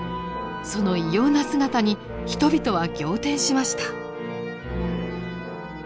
その異様な姿に人々は仰天しました。